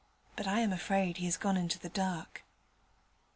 But I am afraid he has gone into the dark.'